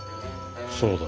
そうだ。